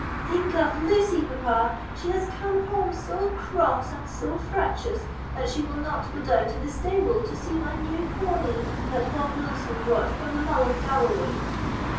"Think of Lucy, papa; she has come home so cross and so fractious, that she will not go down to the stable to see my new pony, that Bob Wilson brought from the Mull of Galloway."